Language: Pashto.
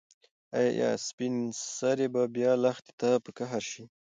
ایا سپین سرې به بیا لښتې ته په قهر شي؟